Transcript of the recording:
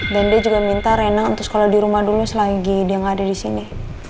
dan dia juga minta rena untuk sekolah di rumah dulu selagi dia nggak ada disini